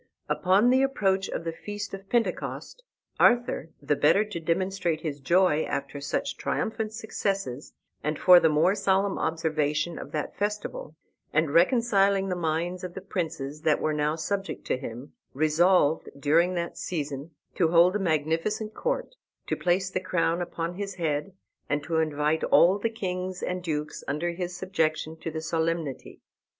Upon the approach of the feast of Pentecost, Arthur, the better to demonstrate his joy after such triumphant successes, and for the more solemn observation of that festival, and reconciling the minds of the princes that were now subject to him, resolved during that season to hold a magnificent court, to place the crown upon his head, and to invite all the kings and dukes under his subjection to the solemnity.